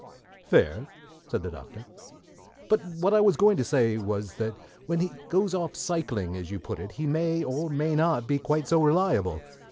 "Fair," said the Doctor. "But what I was going to say was that when he goes off psychling, as you put it, he may, or may not, be quite so reliable.